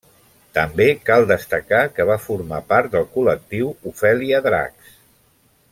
També cal destacar que va formar part del col·lectiu Ofèlia Dracs.